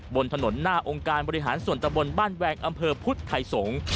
บนถนนหน้าองค์การบริหารส่วนตะบนบ้านแวงอำเภอพุทธไทยสงศ์